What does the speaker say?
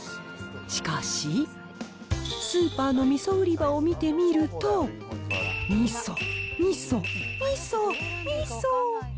しかし、スーパーのみそ売り場を見てみると、みそ、みそ、みそ、みそ。